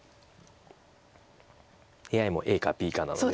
ＡＩもＡかＢかなので。